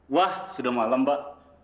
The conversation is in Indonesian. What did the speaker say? wah sudah malam mbak